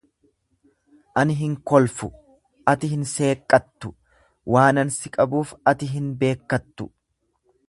An hin kolfu ati hin seeqqattu waanan siqabuuf ati hin beekkattu.